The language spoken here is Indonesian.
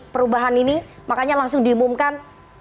perubahan ini makanya langsung diumumkan